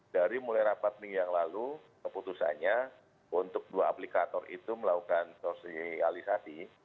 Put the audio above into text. jadi empat minggu yang lalu keputusannya untuk dua aplikator itu melakukan sosialisasi